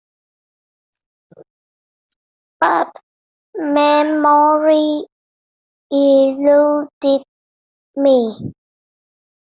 But memory eluded me.